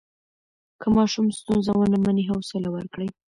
که ماشوم ستونزه ونه مني، حوصله ورکړئ.